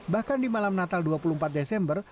bahkan di malam natal dua puluh empat desember